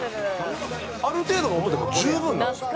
ある程度の音でも十分なんですよ。